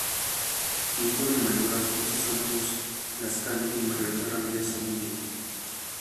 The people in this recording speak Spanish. Hijo del Mayor Alfonso Santos Lazcano y Margarita Ramírez Zamudio.